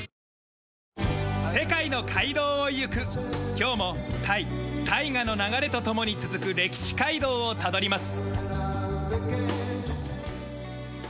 今日もタイ大河の流れと共に続く歴史街道をたどります。